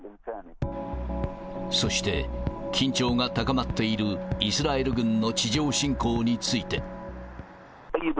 そして、緊張が高まっているイスラエル軍の地上侵攻について。